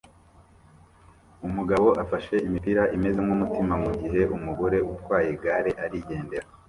Umugabo afashe imipira imeze nkumutima mugihe umugore utwaye igare arigendera